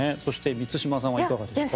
満島さんはいかがですか？